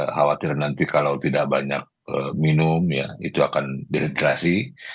khawatir nanti kalau tidak banyak minum ya itu akan dehidrasi